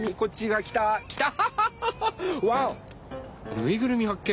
ぬいぐるみはっ見！